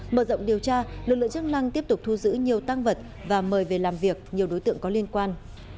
mở rộng điều tra lực lượng chức năng tiếp tục thu giữ nhiều tăng vật và mời về làm việc nhiều đối tượng có liên quan